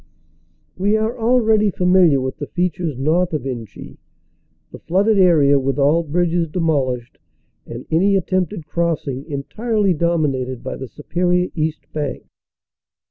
We are already familiar with the features north of Inchy the flooded area, with all bridges demolished, and any attempted crossing entirely dominated by the superior east bank.